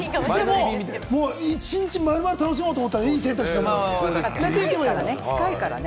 一日まるまる楽しもうと持ったらいい選択肢です。